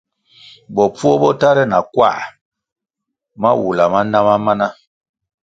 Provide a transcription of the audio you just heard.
Bopfuo bo tahre na kwā mawula ma na ma mana.